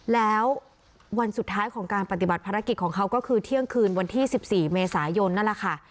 แล้ววันสุดท้ายของการปฏิบัติภารกิจของเขาก็คือเที่ยงคืนวันที่๑๔เมษายนนั่นแหละค่ะ